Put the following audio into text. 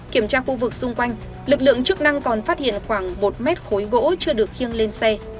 kiểm tra khu vực xung quanh lực lượng chức năng còn phát hiện khoảng một mét khối gỗ chưa được khiêng lên xe